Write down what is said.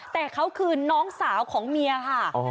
แต่เขาคือน้องสาวของเมียค่ะ